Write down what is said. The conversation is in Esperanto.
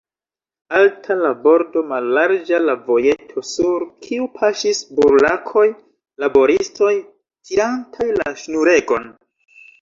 Alta la bordo, mallarĝa la vojeto, sur kiu paŝis burlakoj, laboristoj, tirantaj la ŝnuregon.